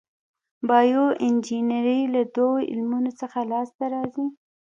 بایو انجنیری له دوو علومو څخه لاس ته راځي.